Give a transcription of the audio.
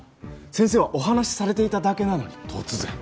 先生はお話されていただけなのに突然。